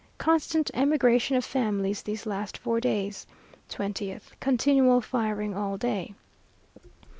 Constant emigration of families these last four days. 20th, continual firing all day.